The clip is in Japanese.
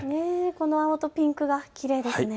この青とピンクがきれいですね。